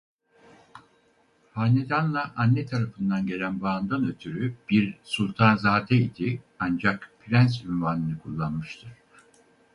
Hanedanla anne tarafından gelen bağından ötürü bir "sultanzâde" idi ancak "prens" unvanını kullanmıştır.